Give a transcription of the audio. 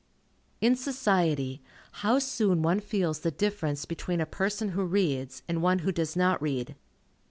In society, how soon one feels the difference between a person who reads, and one who does not read.